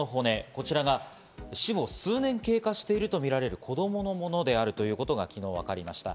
こちらが死後数年経過しているとみられる子供のものであるということが昨日分かりました。